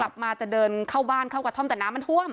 กลับมาจะเดินเข้าบ้านเข้ากระท่อมแต่น้ำมันท่วม